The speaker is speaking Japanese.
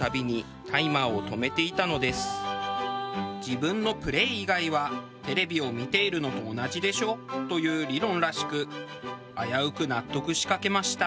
「自分のプレー以外はテレビを見ているのと同じでしょ」という理論らしく危うく納得しかけました。